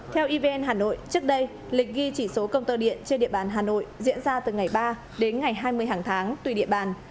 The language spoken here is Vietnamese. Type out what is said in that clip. theo evn hà nội trước đây lịch ghi chỉ số công tơ điện trên địa bàn hà nội diễn ra từ ngày ba đến ngày hai mươi hàng tháng tùy địa bàn